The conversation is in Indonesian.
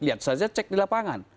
lihat saja cek di lapangan